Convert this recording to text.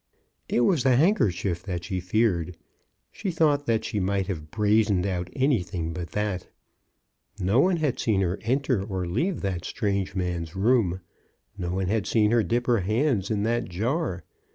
It was the handkerchief that she feared. She thought that she might have brazened out anything but that. No one had seen her enter or leave that strange man's room. No one had seen her dip her hands in that Jar.